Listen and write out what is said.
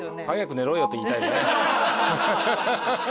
早く寝ろよと言いたいね。